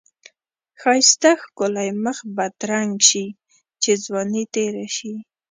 ښایسته ښکلی مخ بدرنګ شی چی ځوانی تیره شی.